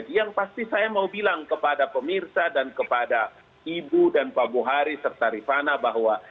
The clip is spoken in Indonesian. yang pasti saya mau bilang kepada pemirsa dan kepada ibu dan pak buhari serta rifana bahwa